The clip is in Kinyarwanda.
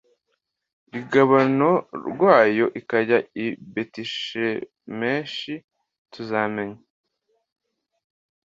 Rugabano rwawo ikajya i betishemeshi tuzamenya